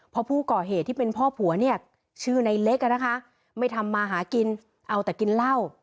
พอผู้ก่อเหตุที่เป็นพ่อผัวเนี่ยชื่อในเล็กไม่ทำมาหากินเอาแต่กินเหล้า